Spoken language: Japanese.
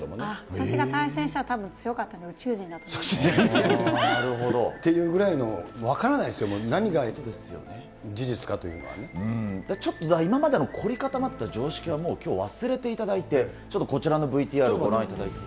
私が対戦したら、強かったのなるほど。っていうぐらいの、分からないですよ、何が事実かというのはちょっと、今までの凝り固まった常識はもうきょうは忘れていただいて、ちょっとこちらのＶＴＲをご覧いただいて。